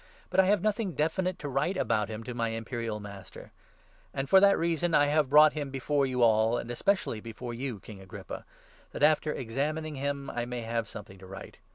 But I have noth 26 ing definite to write about him to my Imperial Master ; and for that reason I have brought him before you all, and especially before you, King Agrippa, that, after examining him, I may have something to write.